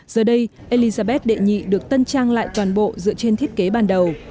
giờ đây elizabeth đệ nhị được tân trang lại toàn bộ dựa trên thiết kế ban đầu